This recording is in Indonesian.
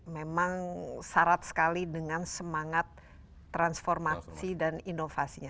memang syarat sekali dengan semangat transformasi dan inovasinya